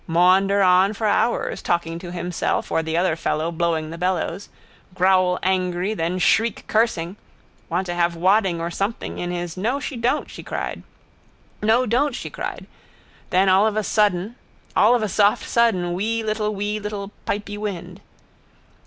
Maunder on for hours, talking to himself or the other fellow blowing the bellows. Growl angry, then shriek cursing (want to have wadding or something in his no don't she cried), then all of a soft sudden wee little wee little pipy wind.